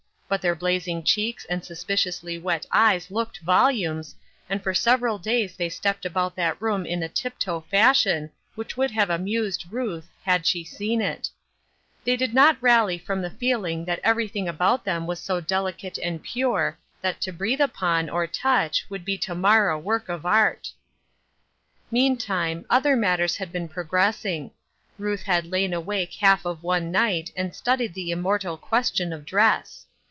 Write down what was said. But their blazing cheeks and suspiciously wet eyes looked volumes, and for several days the} stepped about that room in a tiptoe fashion which would have amused Ruth, had she seen it. They could not rally from the feeling that every thing about them was so delicate and pure thai Trying Questions. 831 to breathe upon, or touch, would be to mar a work of art. Meantime, other matters had been progress ing. Ruth had lain awake half of one night and studied the immortal question of dress.